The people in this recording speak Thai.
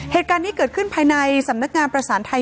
เหตุการณ์นี้เกิดขึ้นภายในสำนักงานประสานไทย